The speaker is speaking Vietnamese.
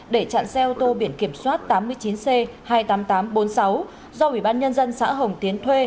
để chặn xe ô tô biển kiểm soát tám mươi chín c hai mươi tám nghìn tám trăm bốn mươi sáu do ủy ban nhân dân xã hồng tiến thuê